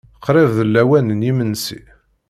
Qrib d lawan n yimensi.